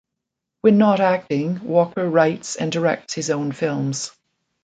When not acting Walker writes and directs his own films.